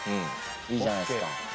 いいじゃないですか。